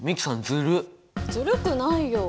ずるくないよ。